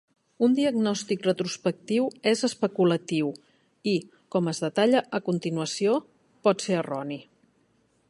Un diagnòstic retrospectiu és especulatiu i, com es detalla a continuació, pot ser erroni.